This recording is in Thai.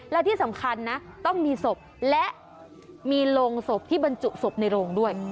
และที่สำคัญนะต้องมีศพและมีโรงศพที่บรรจุศพในโรงด้วย